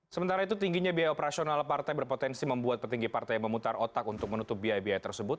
sementara itu tingginya biaya operasional partai berpotensi membuat petinggi partai memutar otak untuk menutup biaya biaya tersebut